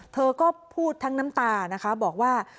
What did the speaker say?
เธอก็พูดทั้งน้ำตานะคะบอกว่า